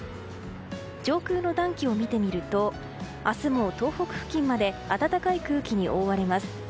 上空の暖気を見てみると明日も東北付近まで暖かい空気に覆われます。